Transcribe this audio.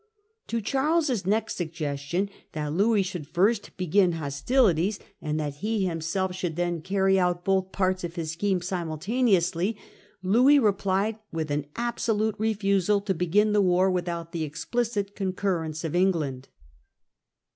To Charles's next suggestion, that Louis should first begin hostilities, and that he himself should then carry out both parts of his scheme simultaneously, Louis replied with an absolute refusal to begin the war without the explicit concurrence of England.